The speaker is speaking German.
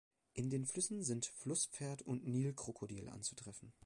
In den Flüssen sind Flusspferd und Nilkrokodil anzutreffen.